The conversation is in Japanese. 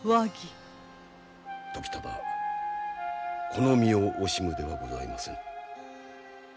この身を惜しむではございませぬ。